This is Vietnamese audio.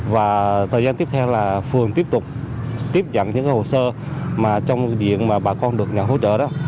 và thời gian tiếp theo là phường tiếp tục tiếp nhận những hồ sơ mà trong diện mà bà con được nhận hỗ trợ đó